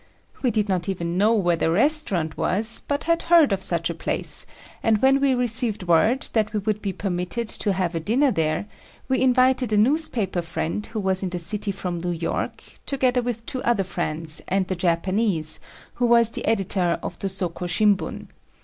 We did not even know where the restaurant was but had heard of such a place, and when we received word that we would be permitted to have a dinner there we invited a newspaper friend who was in the city from New York, together with two other friends and the Japanese, who was the editor of the Soko Shimbun.